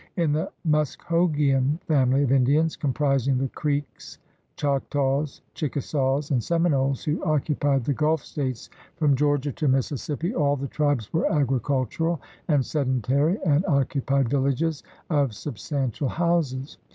In the Muskhogean family of Indians, comprising the Creeks, Choctaws, Chickasaws, and Seminoles, who occupied the Gulf States from Geor gia to Mississippi, all the tribes were agricultural and sedentary and occupied villages of substantial houses.